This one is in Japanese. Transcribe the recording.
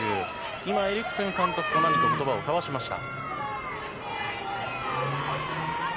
今エリクセン監督と何か言葉を交わしました。